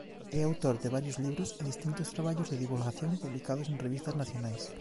É autor de varios libros e distintos traballos de divulgación publicados en revistas nacionais.